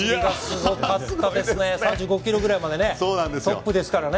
３５キロぐらいまでトップですからね。